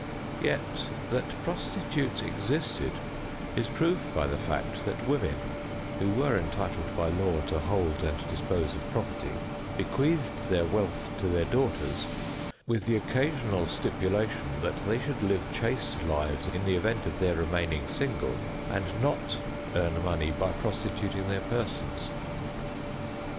Yet that prostitutes existed, and lived by the wages of their profession, is proved by the fact that women (who were entitled by law to hold and dispose of property) bequeathed their wealth to their daughters, with the occasional stipulation that they should live chaste lives in the event of their remaining single, and not earn money by prostituting their persons.